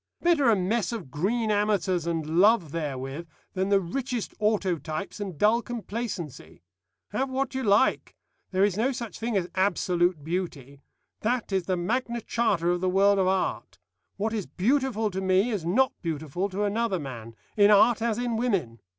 Better a mess of green amateurs and love therewith, than the richest autotypes and dull complacency. Have what you like. There is no such thing as absolute beauty. That is the Magna Charta of the world of art. What is beautiful to me is not beautiful to another man, in art as in women.